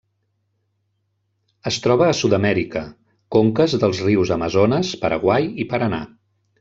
Es troba a Sud-amèrica: conques dels rius Amazones, Paraguai i Paranà.